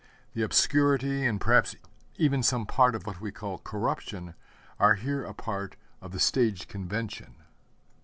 The obscurity, and perhaps even some part of what we call 'corruption,' are here a part of the stage convention.